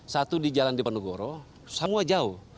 satu di jalan di ponegoro semua jauh